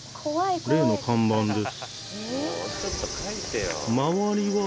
例の看板です。